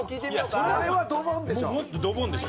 それはドボンでしょ。